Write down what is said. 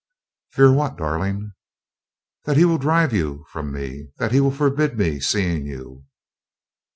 "Fear what, darling?" "That he will drive you from me; that he will forbid me seeing you!"